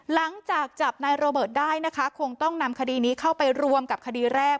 หลังจากจับนายโรเบิร์ตได้นะคะคงต้องนำคดีนี้เข้าไปรวมกับคดีแรก